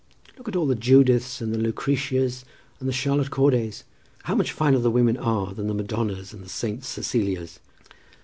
Look at all the Judiths, and the Lucretias, and the Charlotte Cordays; how much finer the women are than the Madonnas and the Saint Cecilias."